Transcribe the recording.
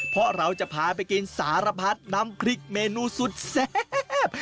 เพราะเราจะพาไปกินสารพัดน้ำพริกเมนูสุดแซ่บ